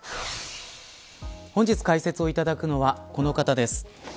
本日解説をいただくのはこの方です。